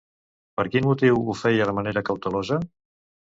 Per quin motiu ho feia de manera cautelosa?